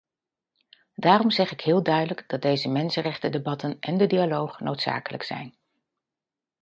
Daarom zeg ik heel duidelijk dat deze mensenrechtendebatten en de dialoog noodzakelijk zijn.